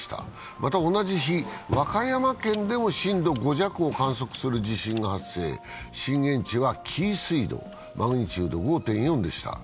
また同じ日、和歌山県でも震度５弱を観測する地震が発生、震源地は紀伊水道で、マグニチュード５．４でした。